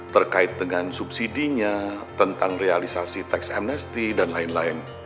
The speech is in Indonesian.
terkait dengan subsidinya tentang realisasi tax amnesty dan lain lain